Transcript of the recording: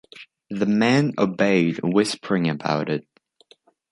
The men obeyed, whispering about it.